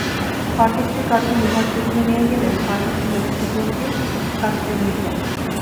পাথরটির কাছে লোহার টুকরা নিয়ে গেলে পাথরটি লোহার টুকরাকে কাছে টেনে নিত।